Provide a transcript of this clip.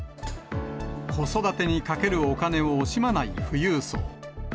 子育てにかけるお金を惜しまない富裕層。